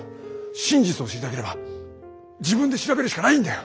真実を知りたければ自分で調べるしかないんだよ。